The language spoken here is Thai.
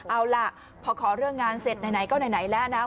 เอาล่ะพอขอเรื่องงานเสร็จไหนก็ไหนแล้วนะ